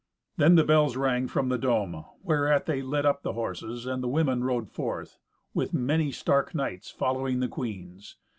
Then the bells rang from the dome, whereat they led up the horses, and the women rode forth, with many stark knights following the queens.